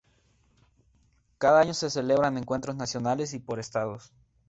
Cada año se celebran encuentros nacionales y por estados.